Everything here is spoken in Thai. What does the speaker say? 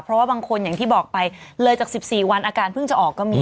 เพราะว่าบางคนอย่างที่บอกไปเลยจาก๑๔วันอาการเพิ่งจะออกก็มี